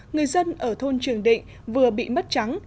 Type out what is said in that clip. người dân ở thôn trường định vừa bị mất trắng